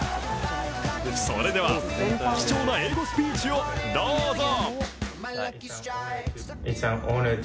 それでは貴重な英語スピーチをどうぞ。